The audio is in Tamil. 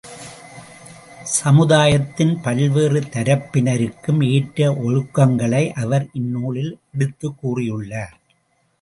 சமுதாயத்தின் பல்வேறு தரப்பினருக்கும் ஏற்ற ஒழுக்கங்களை அவர் இந்நூலில் எடுத்துக் கூறியுள்ளார்.